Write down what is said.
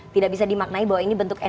tidak bisa dimaknai bahwa ini bentuk emosi